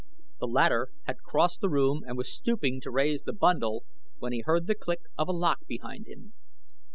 The latter had crossed the room and was stooping to raise the bundle when he heard the click of a lock behind him.